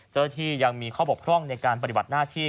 เจ้าหน้าที่ยังมีข้อบกพร่องในการปฏิบัติหน้าที่